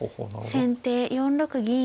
先手４六銀。